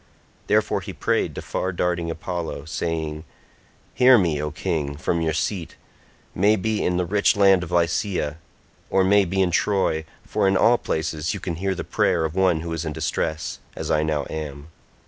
Therefore he prayed to far darting Apollo saying, "Hear me O king from your seat, may be in the rich land of Lycia, or may be in Troy, for in all places you can hear the prayer of one who is in distress, as I now am.